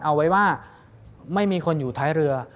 เอาไว้ว่าไม่มีคนอยู่ท้ายเรือ